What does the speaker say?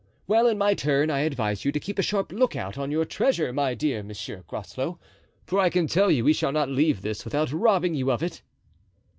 "Well, in my turn I advise you to keep a sharp lookout on your treasure, my dear Monsieur Groslow, for I can tell you we shall not leave this without robbing you of it."